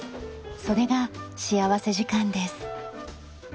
それが幸福時間です。